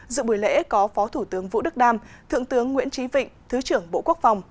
dự buổi lễ có phó thủ tướng vũ đức đam thượng tướng nguyễn trí vịnh thứ trưởng bộ quốc phòng